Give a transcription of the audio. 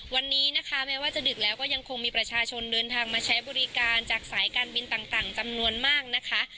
วันนี้นะคะแม้ว่าจะดึกแล้วก็ยังคงมีประชาชนเดินทางมาใช้บริการจากสายการบินต่างจำนวนมากนะคะ